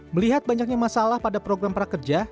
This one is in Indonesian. melihat banyaknya masalah pada program prakerja